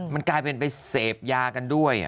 มันกลายเป็นไปเสพยากันด้วย